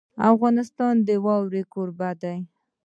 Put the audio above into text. افغانستان د واوره کوربه دی.